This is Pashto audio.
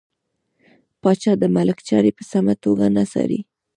پاچا د ملک چارې په سمه توګه نه څاري .